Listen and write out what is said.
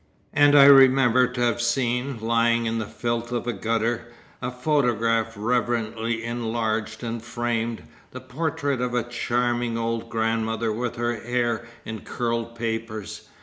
And I remember to have seen, lying in the filth of a gutter, a photograph reverently "enlarged" and framed, the portrait of a charming old grandmother, with her hair in curl papers.